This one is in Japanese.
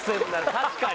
確かに。